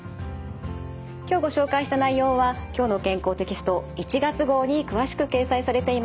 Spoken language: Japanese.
今日ご紹介した内容は「きょうの健康」テキスト１月号に詳しく掲載されています。